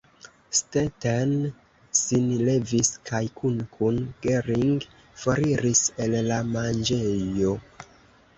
Stetten sin levis kaj kune kun Gering foriris el la manĝejo.